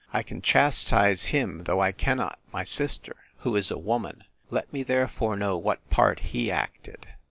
I can chastise him, though I cannot my sister, who is a woman; let me therefore know the part he acted.